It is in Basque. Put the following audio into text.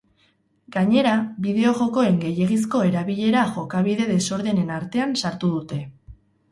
Gainera, bideo-jokoen gehiegizko erabilera jokabide desordenen artean sartu dute.